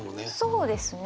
そうですね。